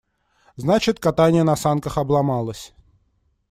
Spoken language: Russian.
Значит, катание на санках «обломалось».